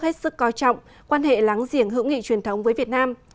hết sức coi trọng quan hệ láng giềng hữu nghị truyền thống với việt nam